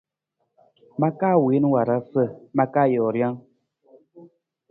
Ma ka wiin warasa, ma ka joo rijang.